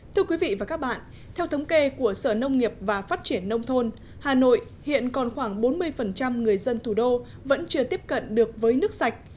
thưa quý vị và các bạn theo thống kê của sở nông nghiệp và phát triển nông thôn hà nội hiện còn khoảng bốn mươi người dân thủ đô vẫn chưa tiếp cận được với nước sạch